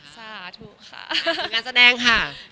สาธุค่ะ